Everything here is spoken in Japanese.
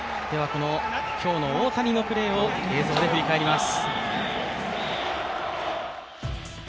今日の大谷のプレーを映像で振り返ります。